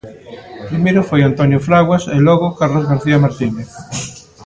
Primeiro foi Antonio Fraguas e logo Carlos García Martínez.